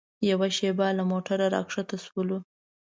یوه شېبه له موټره راښکته شولو.